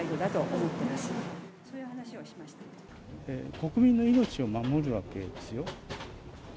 国民の命を守るわけですよ。